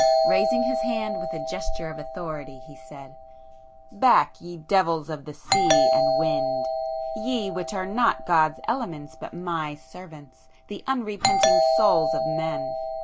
Raising his hand with a gesture of authority he said— "Back, ye devils of the sea and wind!—ye which are not God's elements but My servants, the unrepenting souls of men!